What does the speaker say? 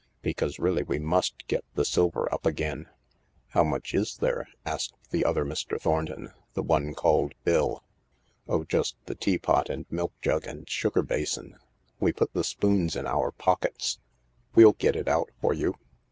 Because really we must get the silver up again." " How much is there ?" asked the other Mr. Thornton — the one called Bill. " Oh, just the teapot and milk jug and sugar basin. We put the spoons in our pockets." "We'll get it out for you.